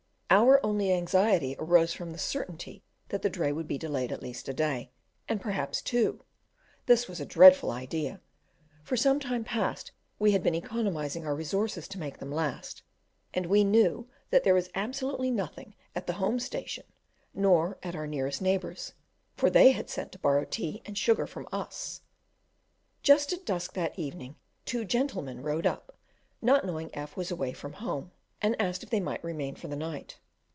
Our only anxiety arose from the certainty that the dray would be delayed at least a day, and perhaps two; this was a dreadful idea: for some time past we had been economising our resources to make them last, and we knew that there was absolutely nothing at the home station, nor at our nearest neighbour's, for they had sent to borrow tea and sugar from us. Just at dusk that evening, two gentlemen rode up, not knowing F was from home, and asked if they might remain for the night.